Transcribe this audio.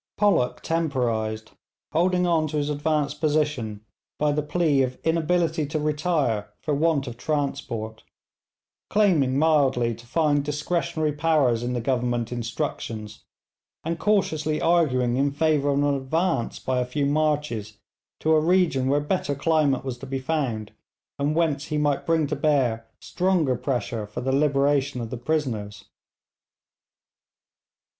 Pollock temporised, holding on to his advanced position by the plea of inability to retire for want of transport, claiming mildly to find discretionary powers in the Government instructions, and cautiously arguing in favour of an advance by a few marches to a region where better climate was to be found, and whence he might bring to bear stronger pressure for the liberation of the prisoners.